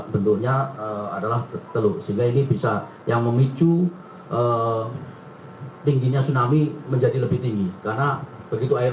bentuknya adalah telur sehingga ini bisa yang memicu tingginya tsunami menjadi lebih tinggi karena begitu air